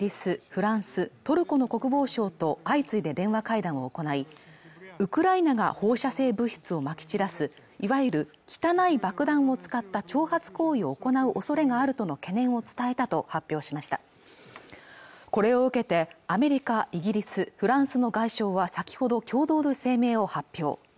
フランストルコの国防相と相次いで電話会談を行いウクライナが放射性物質をまき散らすいわゆる汚い爆弾を使った挑発行為を行う恐れがあるとの懸念を伝えたと発表しましたこれを受けてアメリカイギリスフランスの外相は先ほど共同で声明を発表